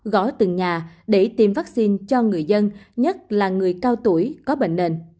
gó từng nhà để tiêm vaccine cho người dân nhất là người cao tuổi có bệnh nền